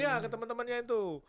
iya ke temen temennya itu